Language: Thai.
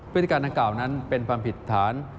พฤติการดังกล่าวนั้นเป็นความผิดฐาน